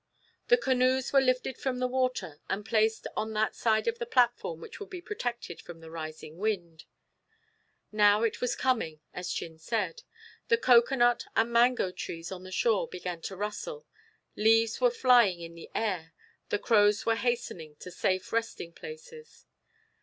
The canoes were lifted from the water, and placed on that side of the platform which would be protected from the rising wind. Now it was coming, as Chin said. The cocoanut and mango trees on the shore began to rustle; leaves were flying in the air; the crows were hastening to safe resting places.